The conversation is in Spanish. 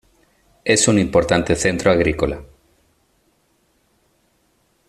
Es un importante centro agrícola.